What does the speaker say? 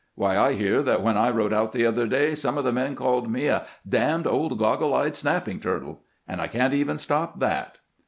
Why, I hear that, when I rode out the other day, some of the men called me a ' d — d old goggle eyed snapping turtle,' and I can't even stop that